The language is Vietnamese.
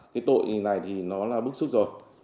cái tội này thì nó là bức xúc rồi